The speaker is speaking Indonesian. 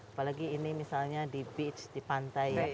apalagi ini misalnya di beach di pantai